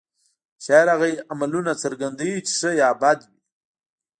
شاعر هغه عملونه څرګندوي چې ښه یا بد وي